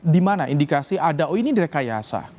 di mana indikasi ada oh ini direkayasa